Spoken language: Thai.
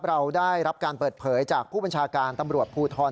เราได้รับการเปิดเผยจากผู้บัญชาการตำรวจภูทร